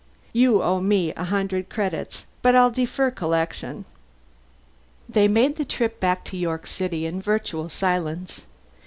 You owe me a hundred credits but I'll defer collection." They made the trip back to York City in virtual silence.